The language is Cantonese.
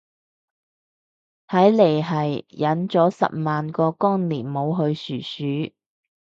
睇嚟係忍咗十萬個光年冇去殊殊